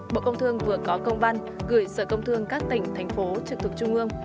bộ công thương vừa có công văn gửi sở công thương các tỉnh thành phố trực thuộc trung ương